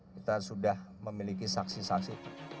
kita sudah memiliki saksi saksi